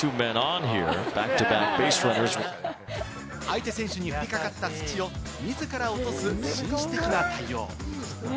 相手選手に降りかかった土を自ら落とす紳士的な対応。